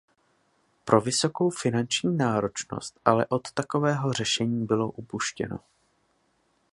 Pro vysokou finanční náročnost ale od takového řešení bylo upuštěno.